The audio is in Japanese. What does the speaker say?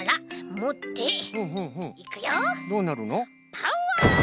パワー！